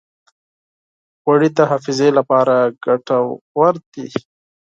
غوړې د حافظې لپاره ګټورې دي.